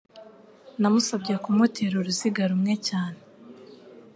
Namusabye kumutera uruziga rumwe cyane.